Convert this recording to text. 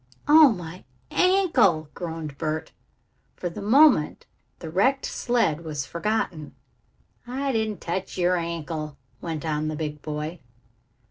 "Oh, my ankle!" groaned Bert. For the moment the wrecked sled was forgotten. "I didn't touch your ankle," went on the big boy.